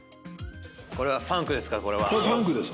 これはファンクですか？